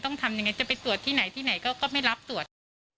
ต้องทำยังไงจะไปตรวจที่ไหนที่ไหนก็ไม่รับตรวจ